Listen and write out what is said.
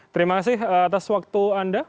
terima kasih atas waktu anda